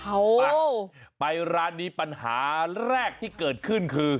เอาไปไปร้านนี้ปัญหาแรกที่เกิดขึ้นคือ